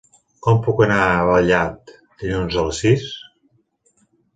Com puc anar a Vallat dilluns a les sis?